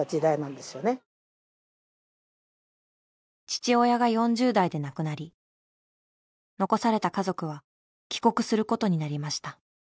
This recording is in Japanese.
父親が４０代で亡くなり残された家族は帰国することになりました。